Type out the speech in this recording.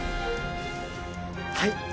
はい。